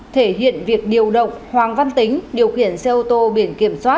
thể hiện việc điều động hoang văn tính điều khiển xe ô tô biển kiểm soát năm mươi f bốn trăm tám mươi ba